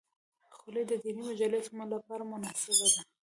خولۍ د دیني مجالسو لپاره مناسبه ده.